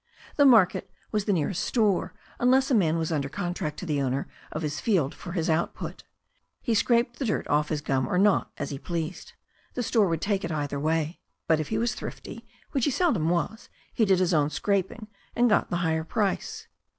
The market was the nearest store, unless a man was under con tract to the owner of his field for his output. He scraped the dirt off his gum or not, as he pleased; the store would take it either way. But if he was thrifty, which he seldom was, he did his own scraping and got the higher price.